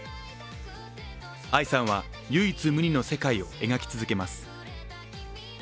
藍さんは、唯一無二の世界を描き続けます。